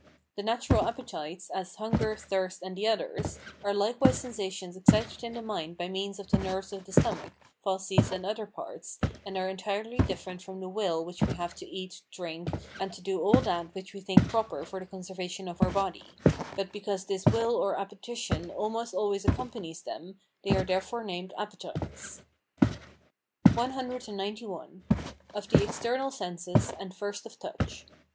The natural appetites, as hunger, thirst, and the others, are likewise sensations excited in the mind by means of the nerves of the stomach, fauces, and other parts, and are entirely different from the will which we have to eat, drink, [and to do all that which we think proper for the conservation of our body]; but, because this will or appetition almost always accompanies them, they are therefore named appetites. CXCI. Of the external senses; and first of touch.